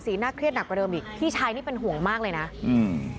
หน้าเครียดหนักกว่าเดิมอีกพี่ชายนี่เป็นห่วงมากเลยนะอืม